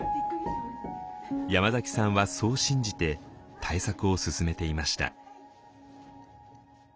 山崎さんはそう信じて対策を進めていました。